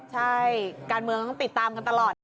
ใช่การเมืองต้องติดตามกันตลอด